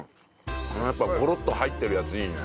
やっぱゴロッと入ってるやついいね。